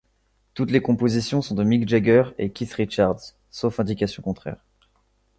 Toutes les compositions sont de Mick Jagger et Keith Richards sauf indications contraires.